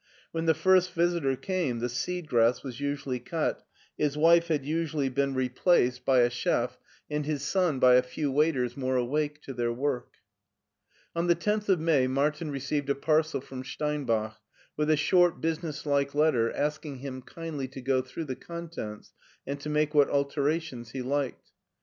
When the first visitor came the seed grass was usually cut, his wife had usually been replaced 148 MARTIN SCHULER by a chef, and his son by a few waiters more awake to their work. On the tenth of May Martin received a parcel from Steinbach with a short, business like letter asking him kindly to go through the contents and to make what alterations he liked.